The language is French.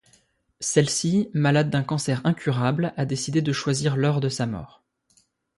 Celle-ci, malade d'un cancer incurable, a décidé de choisir l'heure de sa mort.